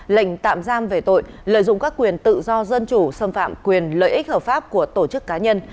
lệnh tạm giam về tội lợi dụng các quyền tự do dân chủ xâm phạm quyền lợi ích hợp pháp của tổ chức cá nhân